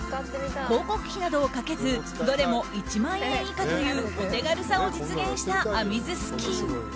広告費などをかけずどれも１万円以下というお手軽さを実現したａｍｉｓｓｋｉｎ。